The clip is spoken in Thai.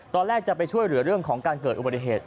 ตอนแรกจะไปช่วยเหลือเรื่องของการเกิดอุบัติเหตุ